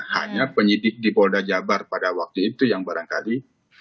hanya penyidik di polda jabar pada waktu itu yang barangkali